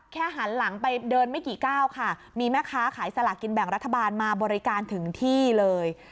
หันหลังไปเดินไม่กี่ก้าวค่ะมีแม่ค้าขายสลากินแบ่งรัฐบาลมาบริการถึงที่เลย